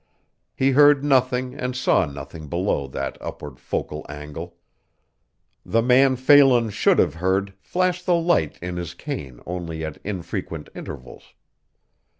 He heard nothing and saw nothing below that upward focal angle. The man Phelan should have heard flashed the light in his cane only at infrequent intervals.